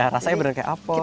rasanya benar benar kayak apple